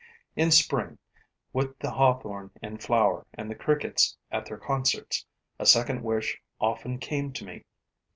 In spring, with the hawthorn in flower and the crickets at their concerts, a second wish often came to me.